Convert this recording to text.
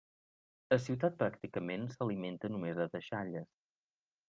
A ciutat pràcticament s'alimenta només de deixalles.